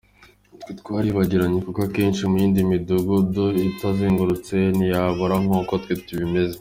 Twe twaribagiranye kuko akenshi mu yindi midugudu ituzengurutse ntibayabura nk’uko twe bimeze.